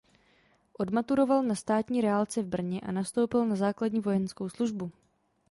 Odmaturoval na státní reálce v Brně a nastoupil na základní vojenskou službu.